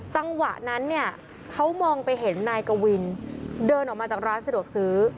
จังหวะนั้นเนี่ยเขามองไปเห็นนายกวินเดินออกมาจากร้านสะดวกซื้อ